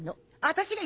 私が？